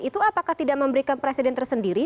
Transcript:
itu apakah tidak memberikan presiden tersendiri